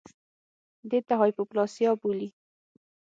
دې ته هایپوپلاسیا بولي